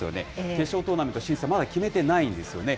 決勝トーナメント進出はまだ決めてないんですよね。